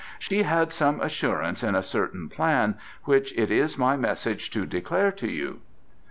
"She had some assurance in a certain plan, which it is my message to declare to you."